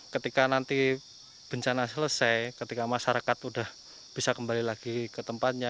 ketika nanti bencana selesai ketika masyarakat sudah bisa kembali lagi ke tempatnya